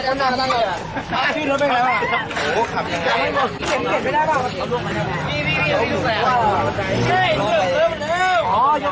ก็ไม่มีอัศวินทรีย์ขึ้นมา